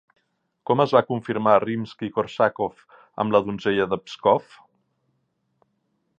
Com es va confirmar Rimski-Kórsakov amb La donzella de Pskov?